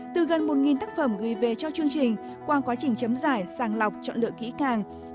từ gần một tác phẩm gửi về cho chương trình qua quá trình chấm giải sàng lọc chọn lựa kỹ càng